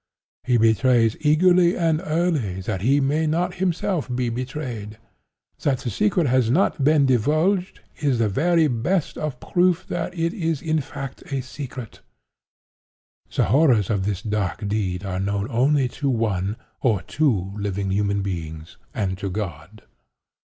He betrays eagerly and early that he may not himself be betrayed. That the secret has not been divulged, is the very best of proof that it is, in fact, a secret. The horrors of this dark deed are known only to one, or two, living human beings, and to God.